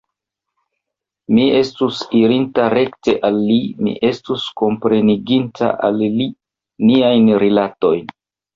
Mi estus irinta rekte al li; mi estus kompreniginta al li niajn rilatojn.